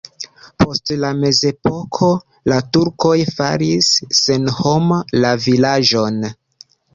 Post la mezepoko la turkoj faris senhoma la vilaĝon.